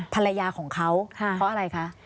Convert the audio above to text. ภรรยาของเขาเพราะอะไรคะ